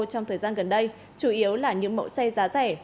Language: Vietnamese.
trong thời gian gần đây chủ yếu là những mẫu xe giá rẻ